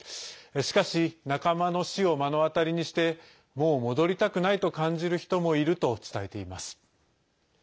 しかし、仲間の死を目の当たりにしてもう戻りたくないと感じる人もいると伝えています。